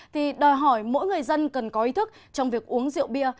thì đòi hỏi mỗi người dân cần có ý thức trong việc uống rượu bia